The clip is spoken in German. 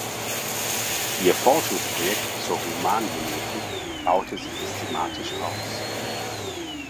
Ihr Forschungsprojekt zur Humangenetik baute sie systematisch aus.